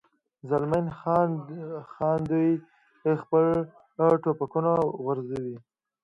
زلمی خان: دوی خپل ټوپکونه غورځوي.